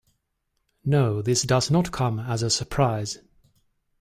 No, this does not come as a surprise.